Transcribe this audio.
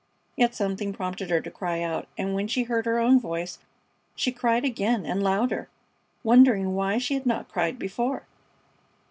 Yet something prompted her to cry out, and when she heard her own voice she cried again and louder, wondering why she had not cried before.